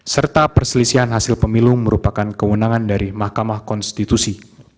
serta perselisihan hasil pemilu merupakan kewenangan dari mahkamah konstitusi